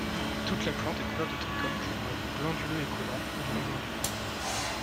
Toute la plante est couverte de trichomes pouvant être glanduleux et collants ou non-glanduleux.